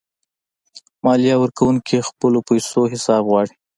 مالیه ورکونکي د خپلو پیسو حساب غواړي.